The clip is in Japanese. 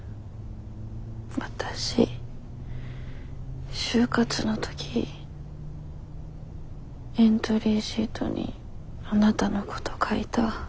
わたし就活の時エントリーシートにあなたのこと書いた。